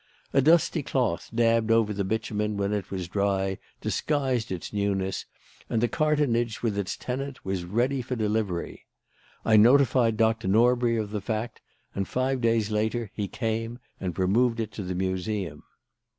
A dusty cloth dabbed over the bitumen when it was dry disguised its newness, and the cartonnage with its tenant was ready for delivery. I notified Doctor Norbury of the fact, and five days later he came and removed it to the Museum.